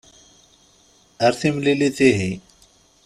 Ar timlilit ihi.